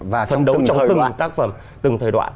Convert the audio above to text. và trong từng thời đoạn